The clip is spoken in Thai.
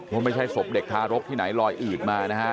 ว่าไม่ใช่ศพเด็กทารกที่ไหนลอยอืดมานะฮะ